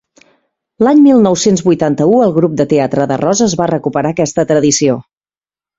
L'any mil nou-cents vuitanta-u el Grup de Teatre de Roses va recuperar aquesta tradició.